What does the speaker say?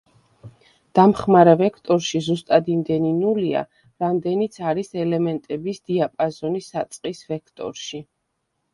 დამხმარე ვექტორში ზუსტად იმდენი ნულია, რამდენიც არის ელემენტების დიაპაზონი საწყის ვექტორში.